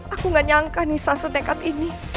aku gak nyangka nisa setekad ini